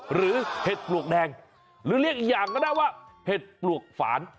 เห็ดปลวกแดงหรือเรียกอีกอย่างก็ได้ว่าเห็ดปลวกฝาน